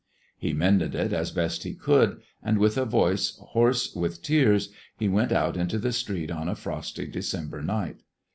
He mended it as best he could, and with a voice hoarse with tears he went out into the street on a frosty December night.